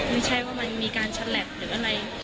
ไม่ใช่ว่ามันมีการฉลับหรืออะไร